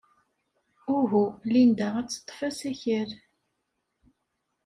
Uhu, Linda ad teḍḍef asakal.